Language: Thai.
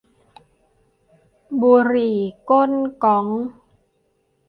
บุหรี่ก้นก๊อก